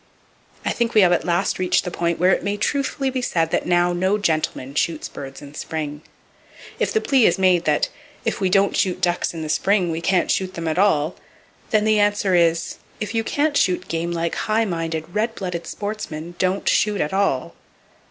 I think we have at last reached the point where it may truthfully be said that now no gentleman shoots birds in spring. If the plea is made that "if we don't shoot ducks in the spring we can't shoot them at all!" then the answer is—if you can't shoot game like high minded, red blooded sportsman, don't shoot it at all!